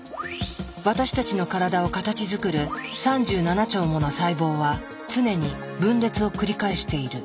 私たちの体を形づくる３７兆もの細胞は常に分裂を繰り返している。